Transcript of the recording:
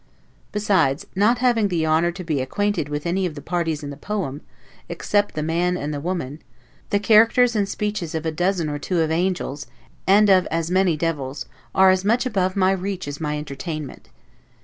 Besides, not having the honor to be acquainted with any of the parties in this poem, except the Man and the Woman, the characters and speeches of a dozen or two of angels and of as many devils, are as much above my reach as my entertainment.